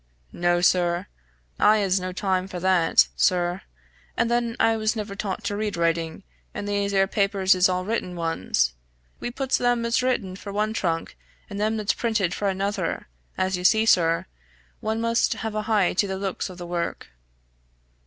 "No, sir I 'as no time for that, sir. And then I was never taught to read writing, and these 'ere papers is all written ones. We puts them that's written for one trunk, and them that's printed for another, as you see, sir; one must have a heye to the looks of the work."